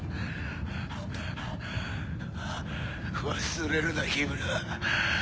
忘れるな緋村。